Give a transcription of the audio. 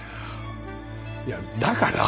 いやだから。